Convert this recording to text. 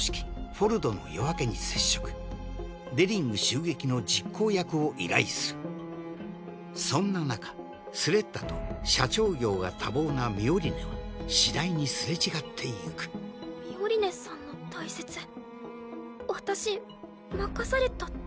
「フォルドの夜明け」に接触デリング襲撃の実行役を依頼するそんななかスレッタと社長業が多忙なミオリネは次第にすれ違ってゆくミオリネさんの大切私任されたって。